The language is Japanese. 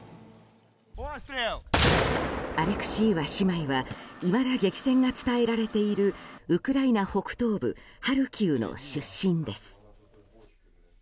アレクシーワ姉妹はいまだ激戦が伝えられているウクライナ北東部ハルキウの出身です。